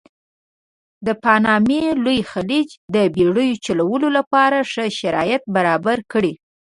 د پانامې لوی خلیج د بېړیو چلولو لپاره ښه شرایط برابر کړي.